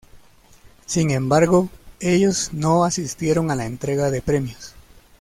Sin embargo, ellos no asistieron a la entrega de premios.